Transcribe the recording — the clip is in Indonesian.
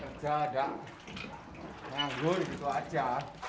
kalau ada yang nganggur gitu aja